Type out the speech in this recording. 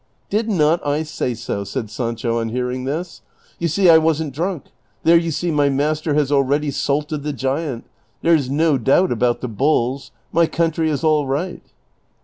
'' Did not I say so ?" said Sancho on hearing this. " You see I was n't drunk ; there you see my master has already salted the giant ; there 's no doubt about the bulls :^ my coun try is all right